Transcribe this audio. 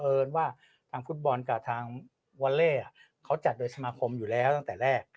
เอิญว่าทางฟุตบอลกับทางวอลเล่เขาจัดโดยสมาคมอยู่แล้วตั้งแต่แรก